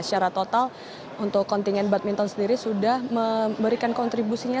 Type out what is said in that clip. secara total untuk kontingen badminton sendiri sudah memberikan kontribusinya